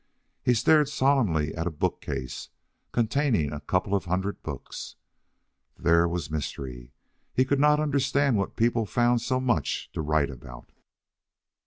He stared solemnly at a bookcase containing a couple of hundred books. There was mystery. He could not understand what people found so much to write about.